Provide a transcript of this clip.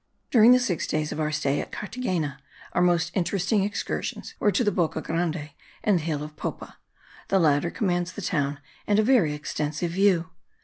During the six days of our stay at Carthagena our most interesting excursions were to the Boca Grande and the hill of Popa; the latter commands the town and a very extensive view.